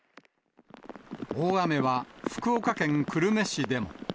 大雨は福岡県久留米市でも。